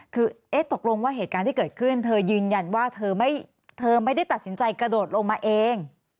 คือตกลงว่าเหตุการณ์ที่เกิดขึ้นเธอยืนยันว่าเธอไม่ได้ตัดสินใจกระโดดลงมาเอง